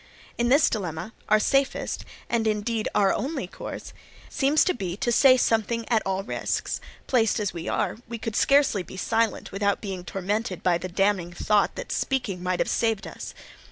In this dilemma, our safest, and indeed our only course, seems to be to say something at all risks: placed as we are, we could scarcely be silent without being tormented by the damning thought that speaking might have saved us.